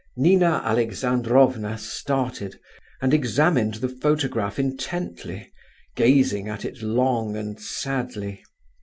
Nina Alexandrovna started, and examined the photograph intently, gazing at it long and sadly.